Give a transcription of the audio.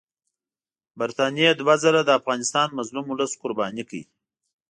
برټانیې دوه ځله د افغانستان مظلوم اولس قرباني کړ.